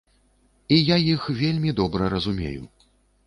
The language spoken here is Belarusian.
І я іх вельмі добра разумею.